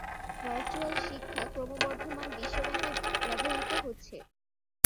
Virtual শিক্ষা ক্রমবর্ধমান বিশ্বব্যাপী ব্যবহৃত হচ্ছে।